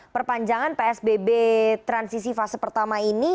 perpanjangan psbb transisi fase pertama ini